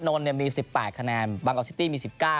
นนทมี๑๘คะแนนบางกอกซิตี้มี๑๙